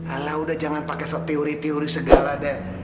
alah udah jangan pakai teori teori segala deh